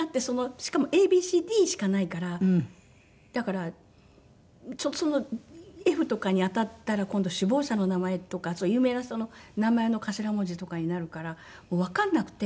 しかもＡＢＣＤしかないからだからＦとかに当たったら今度首謀者の名前とか有名な人の名前の頭文字とかになるからもうわかんなくて。